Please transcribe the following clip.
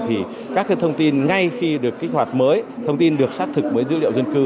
thì các thông tin ngay khi được kích hoạt mới thông tin được xác thực với dữ liệu dân cư